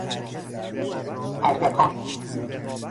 اردکان